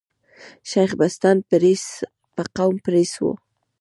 شېخ بستان برېڅ په قوم بړېڅ ؤ.